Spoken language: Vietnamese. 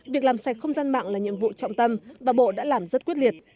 việc làm sạch không gian mạng là nhiệm vụ trọng tâm và bộ đã làm rất quyết liệt